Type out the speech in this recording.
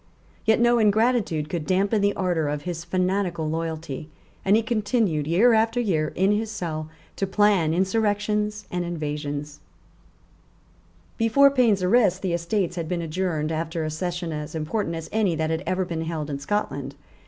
Yet no ingratitude could damp the ardour of his fanatical loyalty; and he continued, year after year, in his cell, to plan insurrections and invasions, Before Payne's arrest the Estates had been adjourned after a Session as important as any that had ever been held in Scotland.